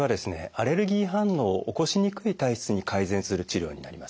アレルギー反応を起こしにくい体質に改善する治療になります。